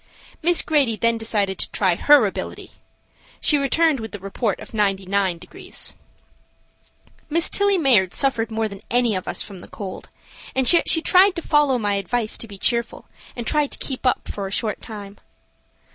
Miss Grady then decided to try her ability. She returned with the report of 99 degrees. Miss Tillie Mayard suffered more than any of us from the cold, and yet she tried to follow my advice to be cheerful and try to keep up for a short time.